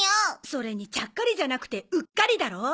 それに「ちゃっかり」じゃなくて「うっかり」だろ。